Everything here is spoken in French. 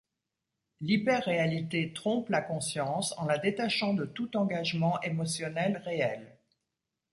L’hyperréalité trompe la conscience en la détachant de tout engagement émotionnel réel.